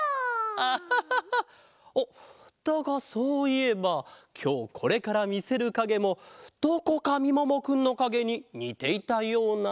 アハハハだがそういえばきょうこれからみせるかげもどこかみももくんのかげににていたような。